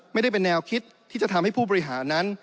ไม่ได้เป็นแนวคิดที่จะทำให้ผู้บริหารนั้น